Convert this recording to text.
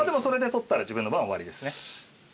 それで取ったら自分の番は終わりですね。